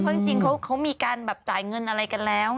เพราะจริงเขามีการแบบจ่ายเงินอะไรกันแล้ว